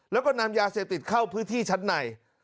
แล้วก็นำยาเสพติดเข้าพื้นที่ชั้นใน